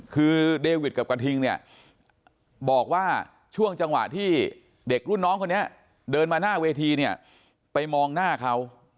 คือเดวิดกับกระทิงเนี่ยบอกว่าช่วงจังหวะที่เด็กรุ่นน้องคนนี้เดินมาหน้าเวทีเนี่ยไปมองหน้าเขา